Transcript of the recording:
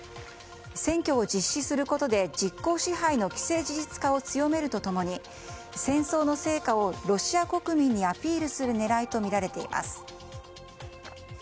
選挙を実施することで実効支配の既成事実化を強めると共に戦争の成果をロシア国民にアピールする狙いとみられています。